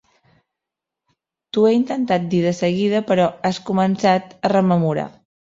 T'ho he intentat dir de seguida, però has començat a rememorar.